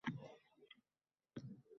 Zahar-zaqqum yutib, bosh tegib toshga